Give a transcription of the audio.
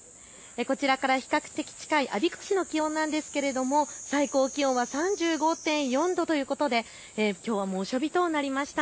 こちらから比較的近い我孫子市の気温なんですが最高気温は３５．４度ということできょうは猛暑日となりました。